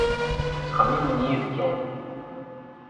Ttxemmimen yibekkan.